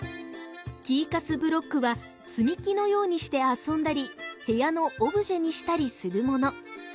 ＫＥＹＣＵＳＢＬＯＣＫは積み木のようにして遊んだり部屋のオブジェにしたりするもの。